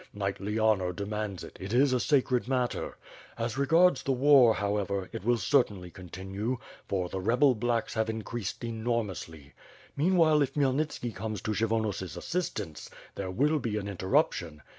Knightly honor demands it; it is a sacred matter. As regards the war, however, it will certainly continue, for the rebel T^lacks^ have inrronsed enormously. Meanwhile if Khmyelnitski comes to Kshyvonos' assistance, there will be an interruption.